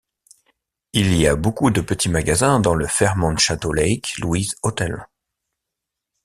Il y a beaucoup de petits magasins dans le Fairmont Chateau Lake Louise Hotel.